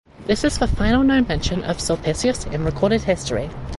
This is the final known mention of Sulpicius in recorded history.